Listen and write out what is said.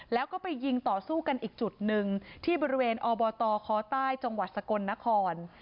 แล้วก็ไปยิงต่อสู้กันอีกจุดหนึ่งที่บริเวณอบตคใต้จังหวัดสกลนคร